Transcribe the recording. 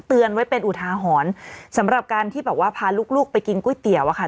เตือนไว้เป็นอุทาหรณ์สำหรับการที่แบบว่าพาลูกไปกินก๋วยเตี๋ยวอะค่ะ